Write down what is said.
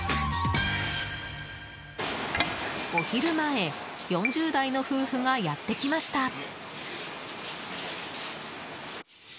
お昼前、４０代の夫婦がやってきました。